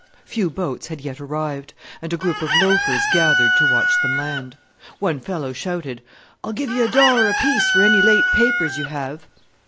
Few boats had yet arrived, and a group of loafers gathered to watch them land. One fellow shouted, "I'll give you a dollar apiece for any late papers you have!"